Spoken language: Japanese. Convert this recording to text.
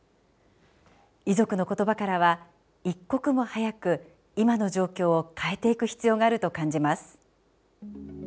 遺族の言葉からは一刻も早く今の状況を変えていく必要があると感じます。